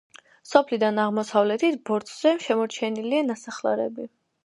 სოფლიდან აღმოსავლეთით, ბორცვზე, შემორჩენილია ნასახლარები.